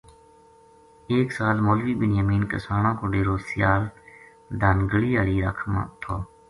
ایک سال مولوی بنیامین کسانہ کو ڈیرو سیال دھان گلی ہالی رَکھ ما تھو